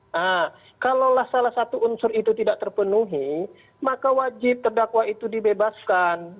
nah kalaulah salah satu unsur itu tidak terpenuhi maka wajib terdakwa itu dibebaskan